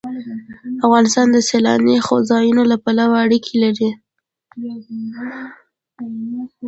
افغانستان د سیلاني ځایونو له پلوه اړیکې لري.